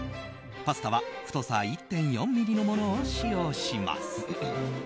パスタは太さ１．４ｍｍのものを使用します。